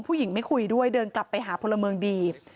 ผู้หญิงไม่คุยด้วยเดินกลับไปหาพลเมืองดี